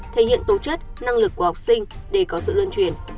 thể hiện tổ chất năng lực của học sinh để có sự luân chuyển